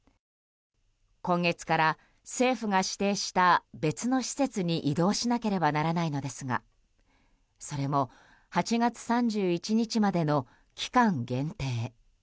今月から政府が指定した別の施設に移動しなければならないのですがそれも８月３１日までの期間限定。